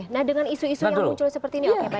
nah dengan isu isu yang muncul seperti ini oke pak